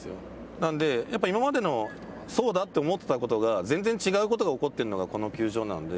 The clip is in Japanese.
なんでやっぱり今までの、そうだと思っていたことが、全然違うことが起こっているのがこの球場なので。